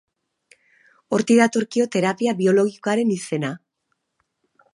Hortik datorkio terapia biologikoaren izena.